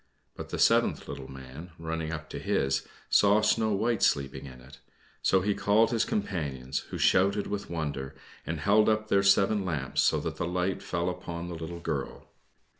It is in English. But the seventh little man, running up to his, saw Snow White sleeping in it; so he called his companions, who shouted with wonder and held up their seven lamps, so that the light fell upon the little girl.